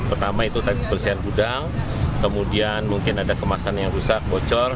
pertama itu tadi kebersihan gudang kemudian mungkin ada kemasan yang rusak bocor